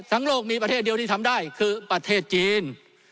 โลกมีประเทศเดียวที่ทำได้คือประเทศจีน